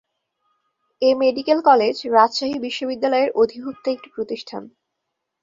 এ medical college Rajshahi বিশ্ববিদ্যালয়ের অধিভুক্ত একটি প্রতিষ্ঠান।